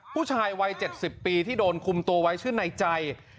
ผู้ชายวัย๗๐ปีที่โดนคุมตัวไว้ชื่อในใจ